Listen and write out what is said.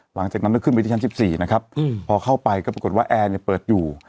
หลังจากนั้นก็ขึ้นไปที่ชั้น๑๔นะครับพอเข้าไปก็ปรากฏว่าแอร์เนี่ยเปิดอยู่